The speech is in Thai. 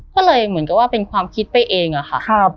ก็เลยเหมือนกับว่าเป็นความคิดไปเองอะค่ะ